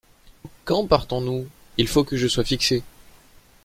Quand partons-nous ? il faut que je sois fixé !